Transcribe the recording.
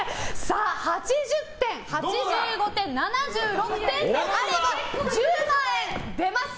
８０点、８５点７６点であれば１０万円出ます！